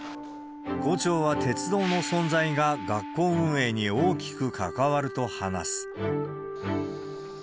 校長は鉄道の存在が学校運営に大きく関わると話す。